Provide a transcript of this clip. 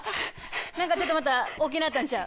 何かちょっとまた大きなったんちゃう？